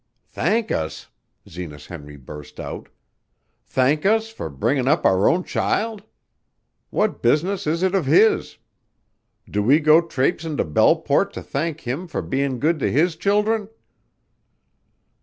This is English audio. "Thank us!" Zenas Henry burst out. "Thank us for bringin' up our own child! What business is it of his? Do we go traipsin' to Belleport to thank him for bein' good to his children?"